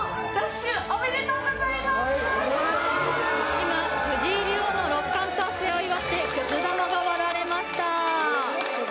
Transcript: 今、藤井竜王の六冠達成を祝ってくす玉が割られました。